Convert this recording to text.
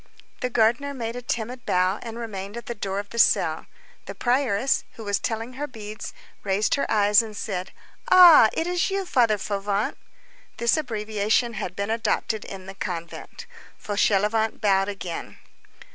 The gardener made a timid bow, and remained at the door of the cell. The prioress, who was telling her beads, raised her eyes and said:— "Ah! it is you, Father Fauvent." This abbreviation had been adopted in the convent. Fauchelevent bowed again.